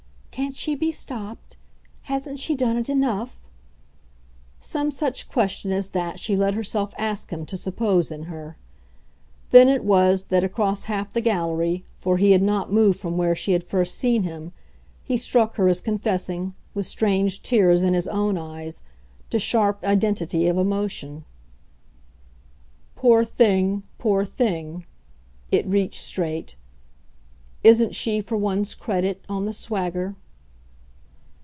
"Can't she be stopped? Hasn't she done it ENOUGH?" some such question as that she let herself ask him to suppose in her. Then it was that, across half the gallery for he had not moved from where she had first seen him he struck her as confessing, with strange tears in his own eyes, to sharp identity of emotion. "Poor thing, poor thing" it reached straight "ISN'T she, for one's credit, on the swagger?"